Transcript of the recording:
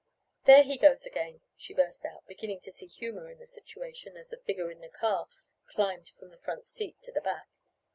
"There he goes again," she burst out, beginning to see humor in the situation, as the figure in the car climbed from the front seat to the back.